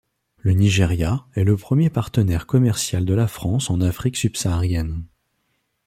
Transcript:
Le Nigeria est le premier partenaire commercial de la France en Afrique subsaharienne.